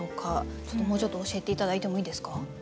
ちょっともうちょっと教えて頂いてもいいですか？